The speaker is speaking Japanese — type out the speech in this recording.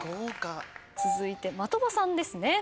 続いて的場さんですね。